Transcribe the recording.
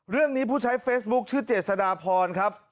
เรื่องนี้ผู้ใช้เฟสบุ๊คชื่อเจษฎาพรครับ